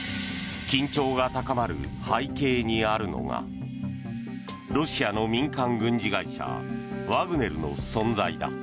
緊張が高まる背景にあるのがロシアの民間軍事会社ワグネルの存在だ。